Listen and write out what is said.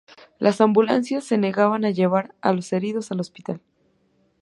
Las ambulancias se negaban a llevar a los heridos al hospital.